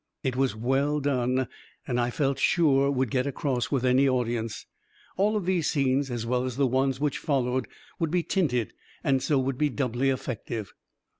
It was well done, and I felt sure would get across with any audience. All of these scenes, as well as the ones which followed, would be tinted, and so would be doubly effective.